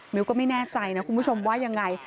ก็ไม่แน่ใจนะคุณผู้ชมว่ายังไง